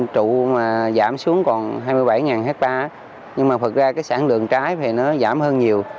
trụ mà giảm xuống còn hai mươi bảy hectare nhưng mà thực ra cái sản lượng trái thì nó giảm hơn nhiều